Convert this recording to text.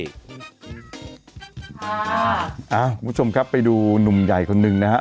คุณผู้ชมครับไปดูหนุ่มใหญ่คนหนึ่งนะฮะ